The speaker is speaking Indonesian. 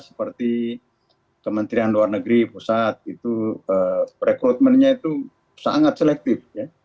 seperti kementerian luar negeri pusat itu rekrutmennya itu sangat selektif